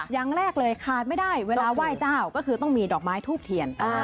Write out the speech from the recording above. อย่างแรกเลยขาดไม่ได้เวลาไหว้เจ้าก็คือต้องมีดอกไม้ทูบเทียน